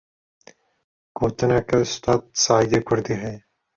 Gotineke Ustad Saîdê Kurdî heye.